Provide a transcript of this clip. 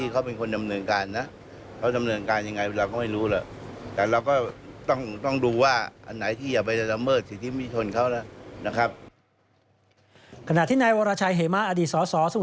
เค้าทำเนินการอย่างไรเราก็ไม่รู้หรอก